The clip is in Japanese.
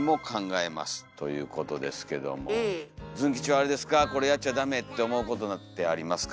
ズン吉はこれやっちゃだめって思うことなんてありますか？